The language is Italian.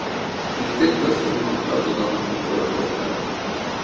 Il tetto è sormontato da una cupola quadrata.